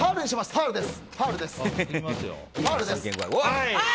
ファウルです。